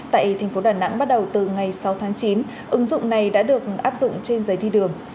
tại thành phố đà nẵng bắt đầu từ ngày sáu tháng chín ứng dụng này đã được áp dụng trên giấy đi đường